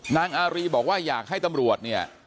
นางอารีบอกว่าอยากให้ตำรวจเนี่ย